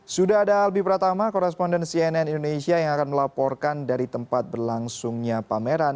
sudah ada albi pratama koresponden cnn indonesia yang akan melaporkan dari tempat berlangsungnya pameran